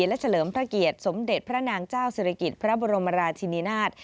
และเฉลิมพระเกียรติสมเด็จพระนางเจ้าศิริกิจพระบรมราชินินาศ